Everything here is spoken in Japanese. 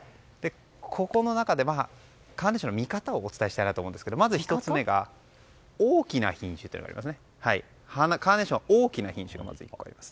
ここでは、カーネーションの見方をお伝えしたいんですがカーネーションは大きな品種がまず１個あります。